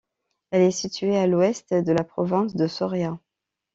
Elle est située à l'Ouest de la province de Soria.